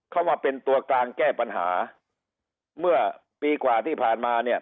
เขามาเป็นตัวกลางแก้ปัญหาเมื่อปีกว่าที่ผ่านมาเนี่ย